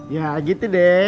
ya gitu deh